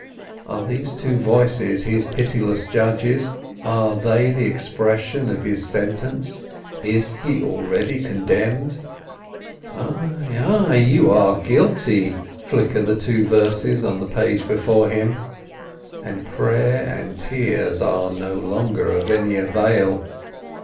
Are these two verses his pitiless judges, are they the expression of his sentence? Is he already condemned? "Ay, ay, you are guilty," flicker the two verses on the page before him, and prayer and tears are no longer of any avail.